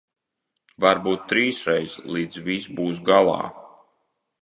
Varbūt trīsreiz, līdz viss būs galā.